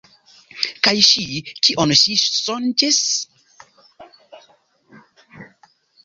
Kaj ŝi, kion ŝi sonĝis?